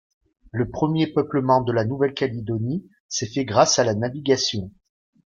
Le premier peuplement de la Nouvelle-Calédonie s'est fait grâce à la navigation.